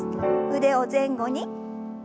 腕を前後に。